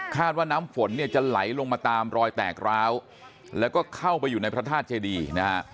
ว่าน้ำฝนเนี่ยจะไหลลงมาตามรอยแตกร้าวแล้วก็เข้าไปอยู่ในพระธาตุเจดีนะฮะ